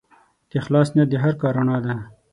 د اخلاص نیت د هر کار رڼا ده.